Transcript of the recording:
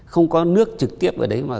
không có nước trực tiếp ở đấy